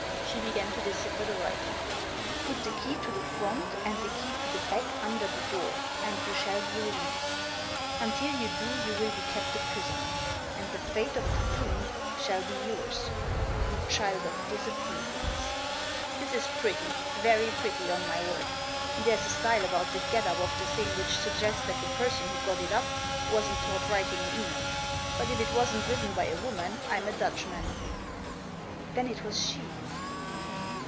She began to decipher the writing. "' Put the key to the front and the key to the back under the door, and you shall be released. Until you do you will be kept a prisoner. And the fate of the doomed shall be yours. You child of disobedience !' This is pretty ; very pretty, on my word. There's a style about the get up of the thing which suggests that the person who got it up wasn't taught writing in England ; but if it wasn't written by a woman, I'm a Dutchman." "Then it was she."